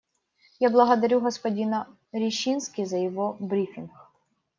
Я благодарю господина Рищински за его брифинг.